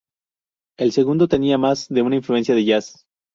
El segundo tenía más de una influencia del jazz.